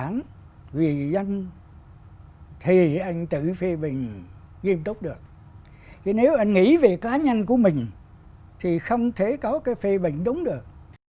nhưng mà nghĩ về cá nhân của mình thì không thể có cái phê bình đúng được